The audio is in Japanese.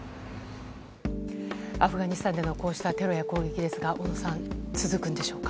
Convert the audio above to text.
アフガニスタンでのこうしたテロや攻撃ですが小野さん続くんでしょうか。